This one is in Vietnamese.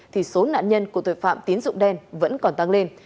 thì số nạn nhân của tội phạm tín dụng đen vẫn còn tăng lên